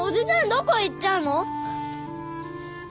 どこ行っちゃうの！？